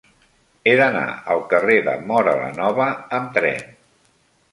He d'anar al carrer de Móra la Nova amb tren.